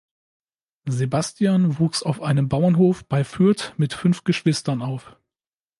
Sebastian wuchs auf einem Bauernhof bei Fürth mit fünf Geschwistern auf.